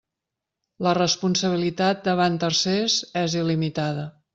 La responsabilitat davant tercers és il·limitada.